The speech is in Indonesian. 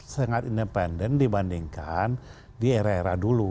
sangat independen dibandingkan di era era dulu